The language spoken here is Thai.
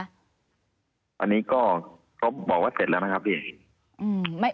อันนี้ก็เขาบอกว่าเสร็จแล้วไหมครับพี่